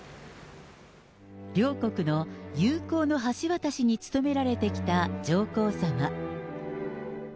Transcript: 両国の友好の橋渡しに努められてきた上皇さま。